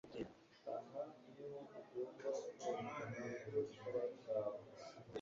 aha niho ugomba kwerekana ubupfura bwawe